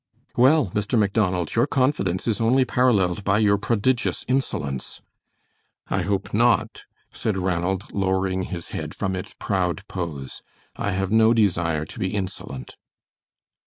"Well, Mr. Macdonald, your confidence is only paralleled by your prodigious insolence." "I hope not," said Ranald, lowering his head from its proud pose. "I have no desire to be insolent."